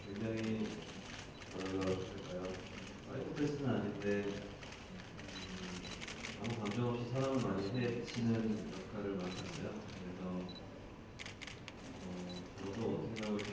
กุฏิกุฎภาพบอกว่าคุณพุทธมองใดดีถึงแรกที่คุณคุณศูนย์รัก